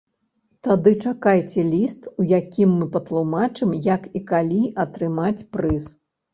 Тады чакайце ліст, у якім мы патлумачым, як і калі атрымаць прыз.